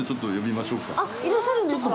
あっ、いらっしゃるんですか？